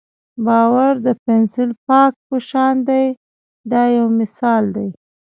باور د پنسل پاک په شان دی دا یو مثال دی.